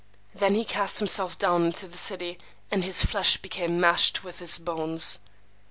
Then he cast himself down into the city, and his flesh became mashed with his bones.